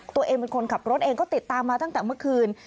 ตัวเองเป็นคนขับรถเองก็ติดตามมาตั้งแต่เมื่อคืน